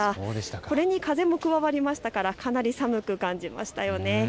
これに風も加わりましたからかなり寒く感じましたよね。